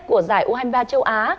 của giải u hai mươi ba châu á